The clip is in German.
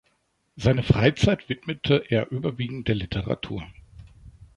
Seine Freizeit widmete er überwiegend der Literatur.